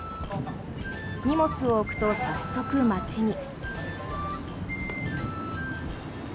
荷物を置くと早速、街に。